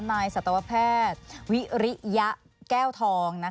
สัตวแพทย์วิริยะแก้วทอง